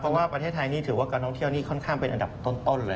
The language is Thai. เพราะว่าประเทศไทยนี่ถือว่าการท่องเที่ยวนี่ค่อนข้างเป็นอันดับต้นเลย